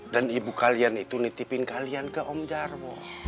dan ibu kalian itu nitipin kalian ke om jarwo